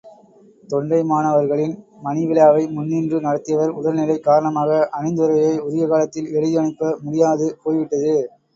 தொண்டைமானவர்களின் மணிவிழாவை முன்னின்று நடத்தியவர் உடல் நிலை காரணமாக, அணிந்துரையை உரிய காலத்தில் எழுதியனுப்ப முடியாது போய்விட்டது.